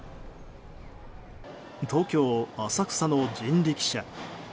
東京・浅草の人力車。